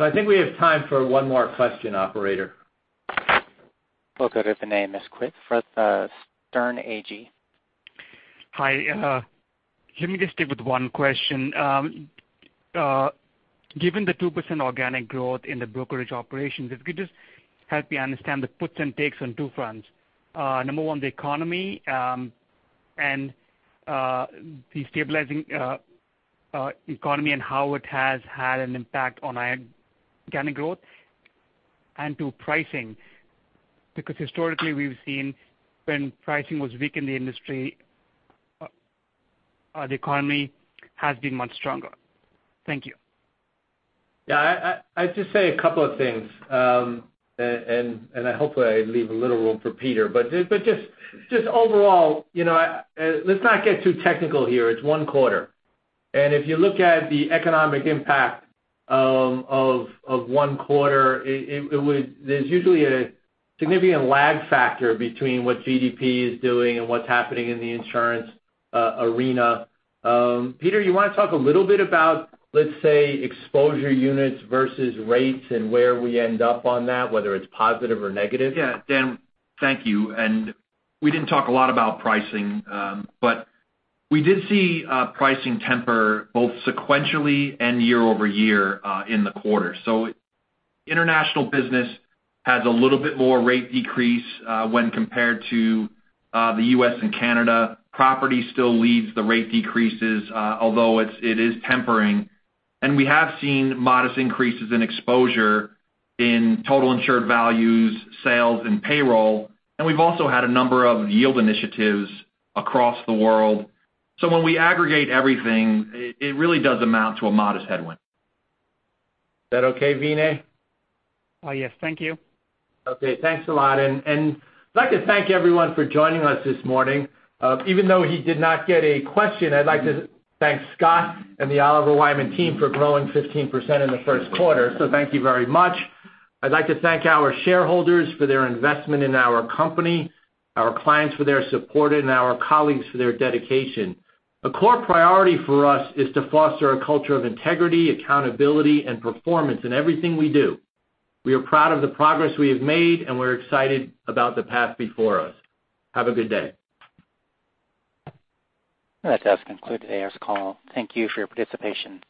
I think we have time for one more question, operator. We'll go to the name as quick. [Fred Stern AG] Hi. Let me just stick with one question. Given the 2% organic growth in the brokerage operations, if you could just help me understand the puts and takes on two fronts. Number one, the economy, and the stabilizing economy and how it has had an impact on organic growth. Two, pricing. Historically we've seen when pricing was weak in the industry, the economy has been much stronger. Thank you. Yeah. I'd just say a couple of things. Hopefully I leave a little room for Peter. Just overall, let's not get too technical here. It's one quarter. If you look at the economic impact of one quarter, there's usually a significant lag factor between what GDP is doing and what's happening in the insurance arena. Peter, you want to talk a little bit about, let's say, exposure units versus rates and where we end up on that, whether it's positive or negative? Yeah. Dan, thank you. We didn't talk a lot about pricing. We did see pricing temper both sequentially and year-over-year in the quarter. International business has a little bit more rate decrease when compared to the U.S. and Canada. Property still leads the rate decreases, although it is tempering. We have seen modest increases in exposure in total insured values, sales, and payroll. We've also had a number of yield initiatives across the world. When we aggregate everything, it really does amount to a modest headwind. Is that okay, Vinay? Yes. Thank you. Okay, thanks a lot. I'd like to thank everyone for joining us this morning. Even though he did not get a question, I'd like to thank Scott and the Oliver Wyman team for growing 15% in the first quarter. Thank you very much. I'd like to thank our shareholders for their investment in our company, our clients for their support, and our colleagues for their dedication. A core priority for us is to foster a culture of integrity, accountability, and performance in everything we do. We are proud of the progress we have made, and we're excited about the path before us. Have a good day. That does conclude today's call. Thank you for your participation.